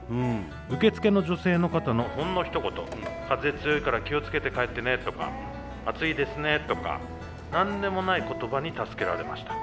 受付の女性の方のほんのひと言『風強いから気を付けて帰ってね』とか『暑いですね』とか何でもない言葉に助けられました。